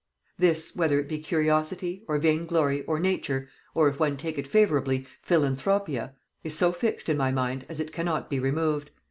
This, whether it be curiosity, or vain glory, or nature, or, if one take it favorably, philanthropia, is so fixed in my mind as it cannot be removed.